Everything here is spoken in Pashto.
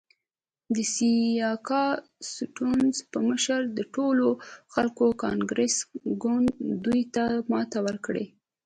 د سیاکا سټیونز په مشرۍ د ټولو خلکو کانګرس ګوند دوی ته ماته ورکړه.